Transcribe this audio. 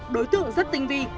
đối tượng rất tinh vi